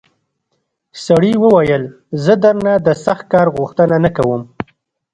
سړي وویل زه درنه د سخت کار غوښتنه نه کوم.